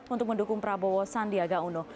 untuk mendukung prabowo sandiaga uno